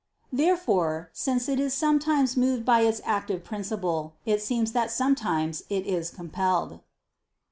Therefore, since it is sometimes moved by its active principle, it seems that sometimes it is compelled.